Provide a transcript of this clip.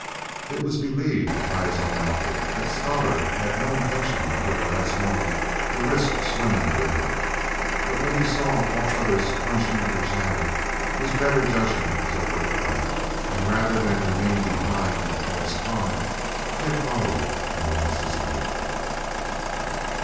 It was believed by his own outfit that Scholar had no intention until the last moment to risk swimming the river, but when he saw all the others plunge into the channel, his better judgment was overcome, and rather than remain behind and cause comment, he had followed and lost his life.